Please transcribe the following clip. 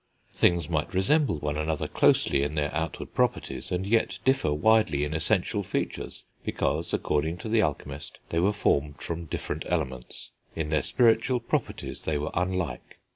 Things might resemble one another closely in their outward properties and yet differ widely in essential features, because, according to the alchemist, they were formed from different elements, in their spiritual properties they were unlike.